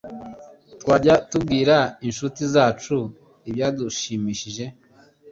twajya tubwira inshuti zacu ibyadushimishije